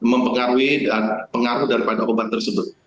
dan mempengaruhi dan pengaruh daripada obat tersebut